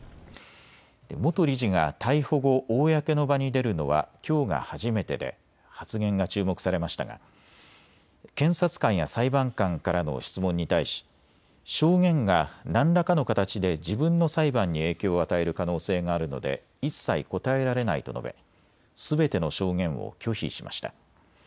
元理事が逮捕後、公の場に出るのはきょうが初めてで発言が注目されましたが検察官や裁判官からの質問に対し証言が何らかの形で自分の裁判に影響を与える可能性があるので一切答えられないと述べすべての証言を拒否しました。